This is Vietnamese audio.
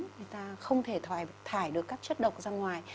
người ta không thể thài thải được các chất độc ra ngoài